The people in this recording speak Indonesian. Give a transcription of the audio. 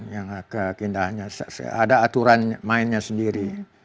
yang keindahannya ada aturan mainnya sendiri